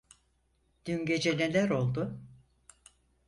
Dün gece neler oldu?